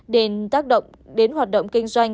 để tác động đến hoạt động kinh doanh